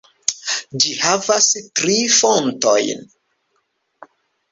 Ĝi havas tri fontojn.